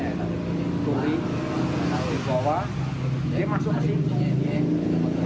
nyuri dibawa dia masuk ke situ